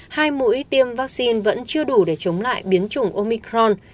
hai mũi tiêm vaccine vẫn chưa đủ để chống lại biến chủng omicron